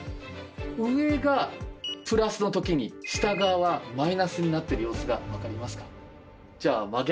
上がプラスのときに下側はマイナスになってる様子が分かりますか？